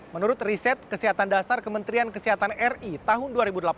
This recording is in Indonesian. menurut riset kesehatan dasar kementerian kesehatan ri tahun dua ribu delapan belas